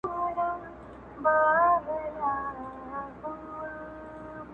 څوك به اوري فريادونه د زخميانو!